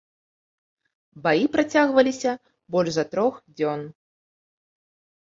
Баі працягваліся больш за трох дзён.